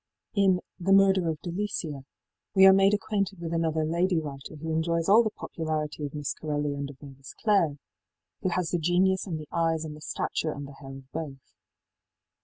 In ëThe Murder of Deliciaí we are made acquainted with another lady writer who enjoys all the popularity of Miss Corelli and of ëMavis Clare,í who has the genius and the eyes and the stature and the hair of both.